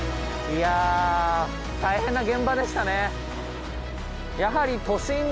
いや大変な現場でしたね。